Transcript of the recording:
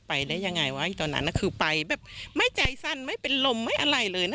ไปได้ยังไงวะตอนนั้นคือไปแบบไม่ใจสั้นไม่เป็นลมไม่อะไรเลยนะ